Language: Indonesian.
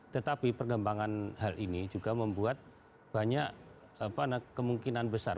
tetapi perkembangan hal ini juga membuat banyak kemungkinan besar